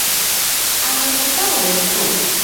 Ág̃a oipota vove tou